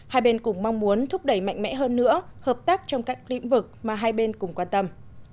hai bên cũng mong muốn thúc đẩy mạnh mẽ hơn nữa hợp tác trong các lĩnh vực mà hai bên cùng quan tâm